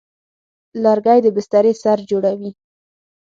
لرګی د بسترې سر جوړوي.